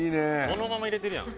そのまま入れてるやん。